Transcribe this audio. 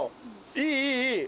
いいいいいい。